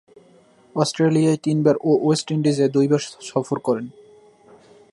অস্ট্রেলিয়ায় তিনবার ও ওয়েস্ট ইন্ডিজে দুইবার সফর করেন।